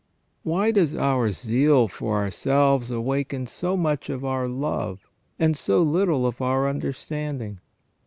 Why does our zeal for ourselves awaken so much of our love and so little of our understanding